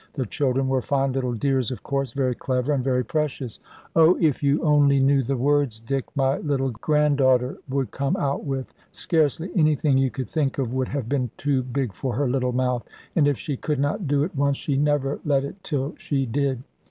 The children were fine little dears of course, very clever and very precious " "Oh, if you only knew the words, Dick, my little granddaughter could come out with! Scarcely anything you could think of would have been too big for her little mouth. And if she could not do it once, she never left it till she did.